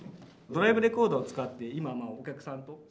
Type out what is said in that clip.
ドライブレコーダーを使って今お客さんと。